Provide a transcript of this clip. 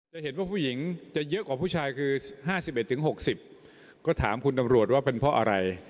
จะเห็นว่าผู้หญิงจะเยอะกว่าผู้ชายคือ๕๑๖๐ก็ถามคุณตำรวจว่าเป็นเพราะอะไร